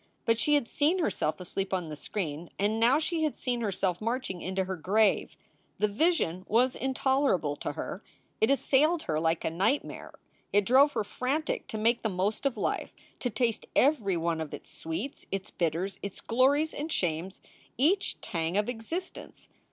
But she had seen herself asleep on the screen, and now she had seen herself marching into her grave. The vision was intolerable to her. It assailed her like a nightmare. It drove her frantic to make the most of life, to taste every one of its sweets, its bitters, its glories and shames, each tang of existence.